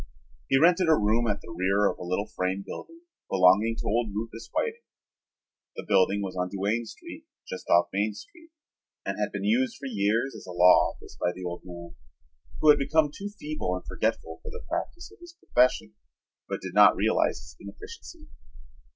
He rented a room at the rear of a little frame building belonging to old Rufus Whiting. The building was on Duane Street, just off Main Street, and had been used for years as a law office by the old man, who had become too feeble and forgetful for the practice of his profession but did not realize his inefficiency.